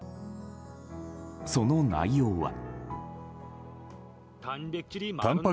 その内容は。